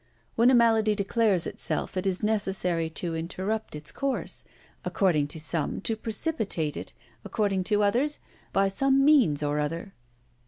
When a malady declares itself, it is necessary to interrupt its course, according to some, to precipitate it, according to others, by some means or another.